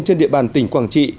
trên địa bàn tỉnh quảng trị